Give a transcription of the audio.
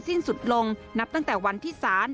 สิ้นสุดลงนับตั้งแต่วันที่ศาล